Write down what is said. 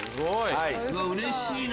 うれしいな！